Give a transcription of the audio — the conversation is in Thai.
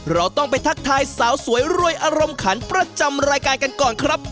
เราต้องไปทักทายสาวสวยรวยอารมณ์ขันประจำรายการกันก่อนครับ